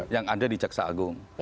yang ada di jaksa agung